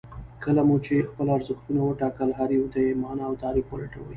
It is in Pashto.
کله مو چې خپل ارزښتونه وټاکل هر يو ته يې مانا او تعريف ولټوئ.